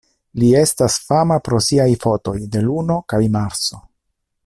Li estas fama pro siaj fotoj de Luno kaj Marso.